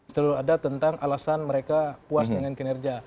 selalu ada tentang alasan mereka puas dengan kinerja